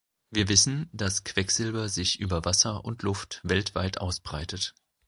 Wir wissen, dass Quecksilber sich über Wasser und Luft weltweit ausbreitet.